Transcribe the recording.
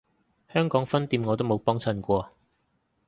香港分店我都冇幫襯過